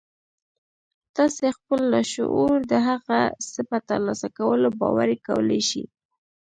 تاسې خپل لاشعور د هغه څه په ترلاسه کولو باوري کولای شئ